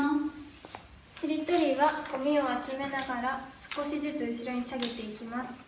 ちりとりはごみを集めながら少しずつ後ろに下げていきます。